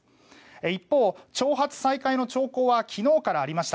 一方、挑発再開の兆候は昨日からありました。